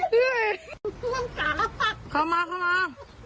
เห้ยเข้ามาเข้ามา